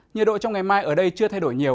nhiệt độ trong ngày mai ở đây chưa thay đổi nhiều